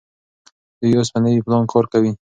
دوی اوس په نوي پلان کار کوي.